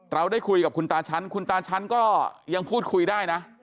เราได้คุยกับคุณตาชั้นคุณตาชั้นก็ยังพูดคุยได้นะ